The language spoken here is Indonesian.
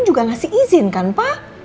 juga ngasih izin kan pak